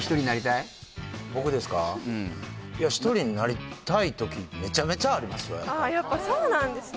いや１人になりたいときめちゃめちゃありますよ